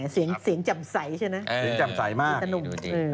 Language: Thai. เสียงจำใสใช่นะสีตะหนุ่ม